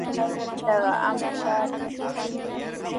Kaypitaqa ama shaarinkiku.